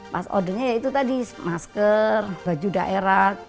pas ordernya itu tadi masker baju daerah dua puluh tujuh provinsi